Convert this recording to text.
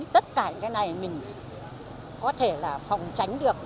tất cả những cái này mình có thể là phòng tránh được